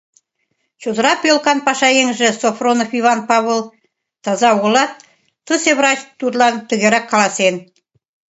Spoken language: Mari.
Чодыра пӧлкан пашаеҥже Софронов Иван Павыл таза огылат, тысе врач тудлан тыгерак каласен: